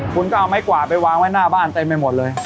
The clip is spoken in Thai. คุณก็เอาไม้กวาดไปวางไว้หน้าบ้านเต็มไปหมดเลย